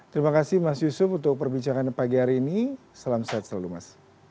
terima kasih mas yusuf untuk perbincangan pagi hari ini salam sehat selalu mas